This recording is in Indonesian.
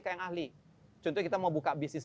ke yang ahli contoh kita mau buka bisnis